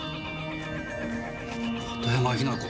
片山雛子。